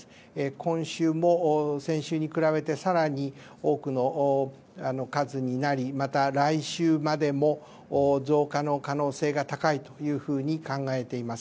今週も先週に比べて更に多くの数になりまた来週までも増加の可能性が高いというふうに考えています。